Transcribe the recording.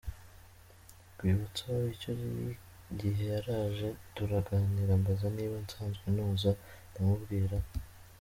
Rwibutso: Icyo gihe yaraje turaganira ambaza niba nsanzwe ntoza, ndamubwira.